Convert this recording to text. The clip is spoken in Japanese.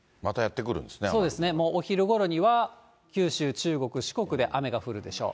そうですね、お昼ごろには九州、中国、四国で雨が降るでしょう。